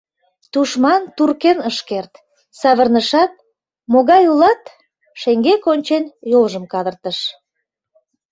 Тушман туркен ыш керт, савырнышат — могай улат: шеҥгек ончен йолжым кадыртыш...